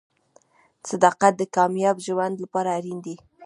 • صداقت د کامیاب ژوند لپاره اړین دی.